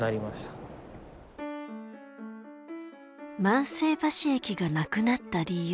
万世橋駅がなくなった理由。